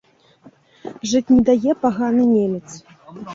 Жыць не дае паганы немец.